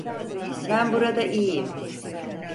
Ben burada iyiyim.